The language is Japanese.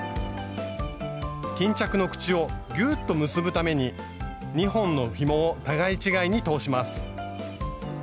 巾着の口をギューッと結ぶために２本のひもを互い違いに通します。